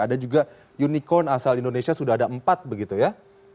ada juga unicorn asal indonesia sudah ada empat begitu ya